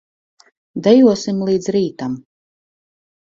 Dejosim līdz rītam.